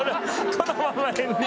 このまま。